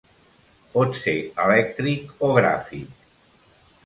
Pot ser elèctric o gràfic.